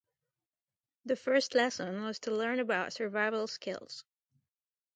The first lesson was to learn about survival skills.